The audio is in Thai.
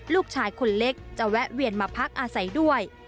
ลูกชายคนเล็กจะแวะเวียนมาพักอาศัยด้วย